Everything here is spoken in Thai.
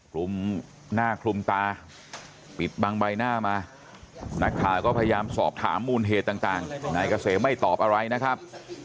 คลุมหน้าคลุมตาปิดบังใบหน้ามานักข่าวก็พยายามสอบถามมูลเหตุต่างนายเกษมไม่ตอบอะไรนะครับ